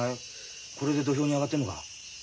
これで土俵に上がってんのか？